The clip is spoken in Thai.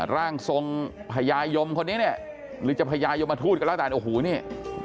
ร่างทรงพญายมคนนี้เนี่ยหรือจะพญายมทูตก็แล้วแต่โอ้โหนี่